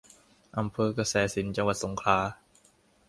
อำเภอกระแสสินธุ์ จังหวัดสงขลา